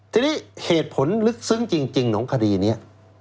ทีนี้เหตุผลลึกซึ้งจริงของคดีนี้